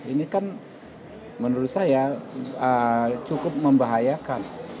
ini kan menurut saya cukup membahayakan